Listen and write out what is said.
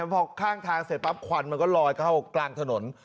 พอข้างทางเสร็จปั๊บควันมันก็ลอยเข้ากลางถนน